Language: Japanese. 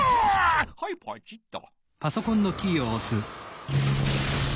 はいポチッと！